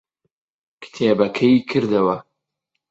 کتێبەکەی کردەوە.